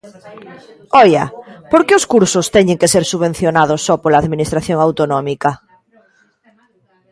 Oia, ¿por que os cursos teñen que ser subvencionados só pola Administración autonómica?